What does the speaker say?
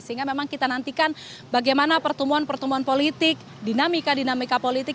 sehingga memang kita nantikan bagaimana pertumbuhan pertumbuhan politik dinamika dinamika politik